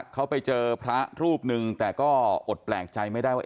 เขาไปเจอพระรูปหนึ่งแต่ก็อดแปลกใจไม่ได้ว่า